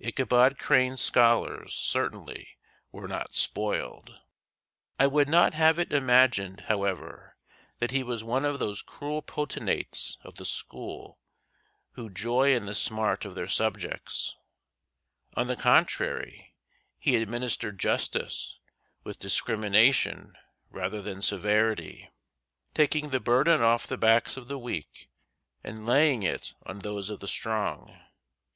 Ichabod Crane's scholars certainly were not spoiled. I would not have it imagined, however, that he was one of those cruel potentates of the school who joy in the smart of their subjects; on the contrary, he administered justice with discrimination rather than severity, taking the burden off the backs of the weak and laying it on those of the strong.